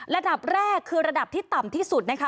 ระดับแรกคือระดับที่ต่ำที่สุดนะคะ